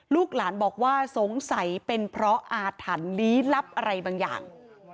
ลูกหลานบอกว่าสงสัยเป็นเพราะอาถรรพ์ลี้ลับอะไรบางอย่าง